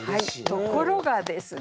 ところがですね